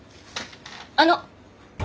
あの！